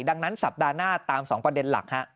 ดังนั้นสัปดาห์หน้าตาม๒ประเด็นหลัก